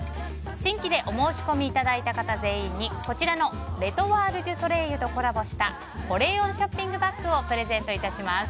新規でお申し込みいただいた方全員にこちらのレ・トワール・デュ・ソレイユとコラボした保冷温ショッピングバッグをプレゼント致します。